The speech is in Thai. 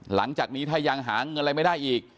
หลังจากนี้ถ้ายังหาเงินอะไรไม่ได้อีก